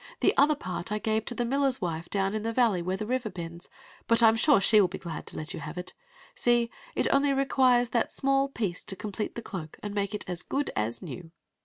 The other part I gave to the miller's wife down in the valley where the river bends. But I am sure she wiU be glad to let you have it See — it only requires that small piece to cmnplete the cloak and make it as good as new."